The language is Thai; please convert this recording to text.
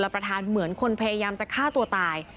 ประธานเหมือนคนพยายามจะฆ่าตัวตาย